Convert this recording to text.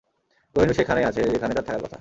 কোহিনূর সেখানেই আছে, যেখানে তার থাকার কথা!